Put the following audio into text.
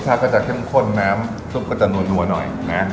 รสชาติก็จะเข้มข้นแม่มสุ๊กก็จะนัวหน่อยนะ